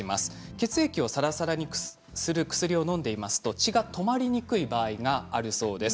血液をさらさらにする薬をのんでいますと血が止まりにくい場合があるそうです。